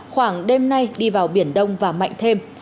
khoảng đêm nay đi vào biển đông và mạnh thêm